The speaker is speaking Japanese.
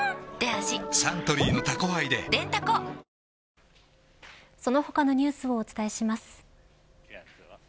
サントリーの「タコハイ」ででんタコその他のニュースをお伝えします。